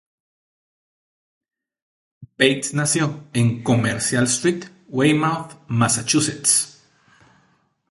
Bates Nació en Comercial St., Weymouth, Massachusetts.